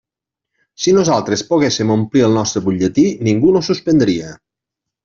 Si nosaltres poguéssem omplir el nostre butlletí, ningú no suspendria.